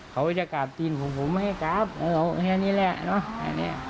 เขาจะกราบจีนผมผมไม่ให้กราบแบบนี้แหละ